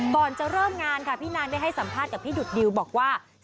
ก่อนจะเริ่มงานค่ะพี่นางได้ให้สัมภาษณ์กับพี่ดุดดิวบอกว่า